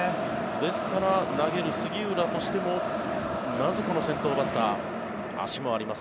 ですから投げる杉浦としてもまずこの先頭バッター足もあります